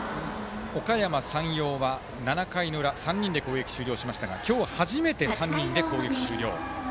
おかやま山陽は７回の裏３人で攻撃終了しましたが今日、初めて３人で攻撃終了。